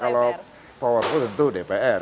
kalau powerful tentu dpr